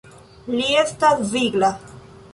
Li estas vigla.